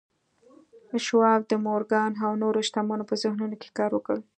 شواب د مورګان او نورو شتمنو په ذهنونو کې کار وکړ